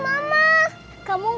kenzo aku mau pergi